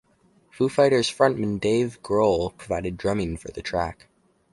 Foo Fighters' frontman Dave Grohl provided drumming for the track.